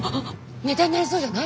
ネタになりそうじゃない？